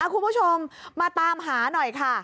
คุณผู้ชมมาตามหาหน่อยค่ะ